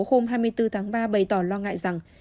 hôm hai mươi bốn tháng ba bày tỏ lo ngại rằng